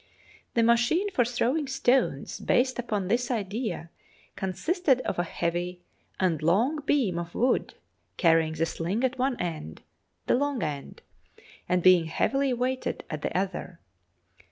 The machine for throwing stones based upon this idea consisted of a heavy and long beam of wood carrying the sling at one end, the long end, and being heavily weighted at the other.